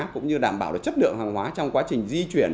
cũng như đảm bảo được chất lượng hàng hóa trong quá trình di chuyển